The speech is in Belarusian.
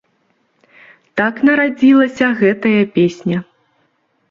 Так нарадзілася гэтая песня.